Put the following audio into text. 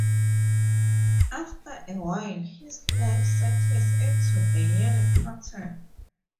After a while, his life settles into a yearly pattern.